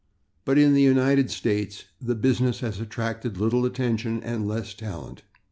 But in the United States the business has attracted little attention, and less talent.